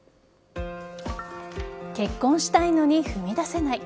結婚したいのに踏み出せない。